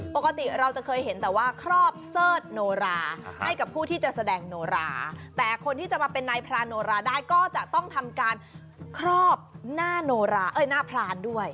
ปกติเราจะเคยเห็นแต่ว่าครอบเสิร์ชโนราให้กับผู้ที่จะแสดงโนราแต่คนที่จะมาเป็นนายพรานโนราได้ก็จะต้องทำการครอบหน้าโนราเอ้ยหน้าพรานด้วย